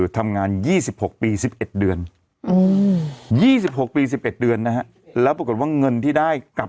ทำงานครบ๒๐ปีได้เงินชดเฉยเลิกจ้างไม่น้อยกว่า๔๐๐วัน